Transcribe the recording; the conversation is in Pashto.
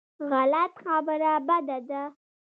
غلط خبره بده ده.